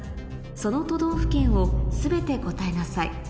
その都道府県を全て答えなさい